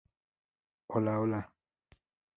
Hola, hola.